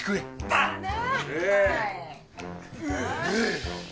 だな！